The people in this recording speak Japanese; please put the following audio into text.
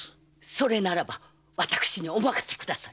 それならば私にお任せください！